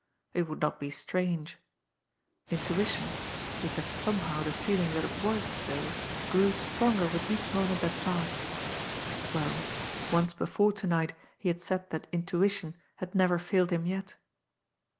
It would not be strange. Intuition because somehow the feeling that it was so grew stronger with each moment that passed well, once before to night he had said that intuition had never failed him yet!